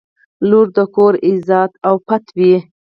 • لور د کور عزت او پت وي.